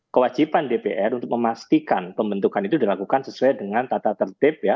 kewajiban dpr untuk memastikan pembentukan itu dilakukan sesuai dengan tata tertib ya